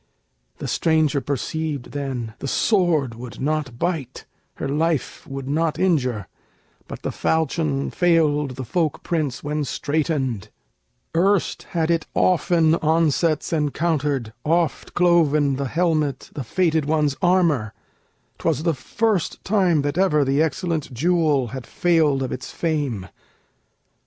The stranger perceived then The sword would not bite, her life would not injure, But the falchion failed the folk prince when straitened: Erst had it often onsets encountered, Oft cloven the helmet, the fated one's armor; 'Twas the first time that ever the excellent jewel Had failed of its fame.